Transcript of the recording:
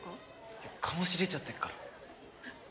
いや醸し出ちゃってるから。